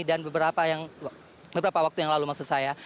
dan beberapa waktu yang lalu maksud saya